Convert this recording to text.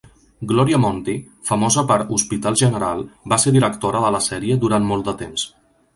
Gloria Monty, famosa per "Hospital General", va ser directora de la sèrie durant molt de temps.